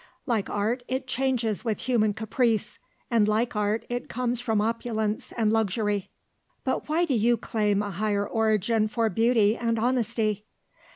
Like art it changes with human caprice, and like art it comes from opulence and luxury." "But why do you claim a higher origin for beauty and honesty?"